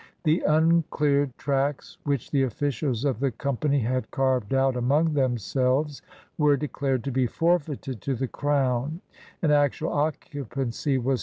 The uncleared tracts which the officials of the G>mpany had carved out among themselves were declared to be forfeited to the Crown and actual occupancy was.